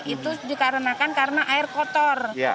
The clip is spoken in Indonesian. itu dikarenakan karena air kotor